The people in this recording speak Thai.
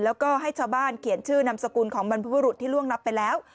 แล้วก็ให้ชาวบ้านเขียนชื่อนามสกุลของบรรพบุรุษที่ล่วงรับไปแล้ว